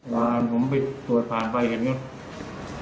เวลาผมไปตรวจผ่านไปเห็นก็